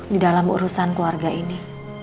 di dalam urusan keluarga ini